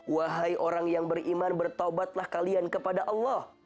wahai orang yang beriman bertobatlah kalian kepada allah